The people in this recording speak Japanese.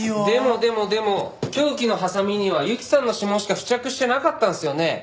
でもでもでも凶器のはさみには雪さんの指紋しか付着してなかったんですよね？